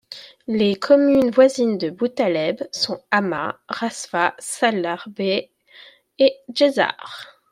Les communes voisines de Boutaleb sont Hamma, Rasfa, Salah Bey et Djezzar.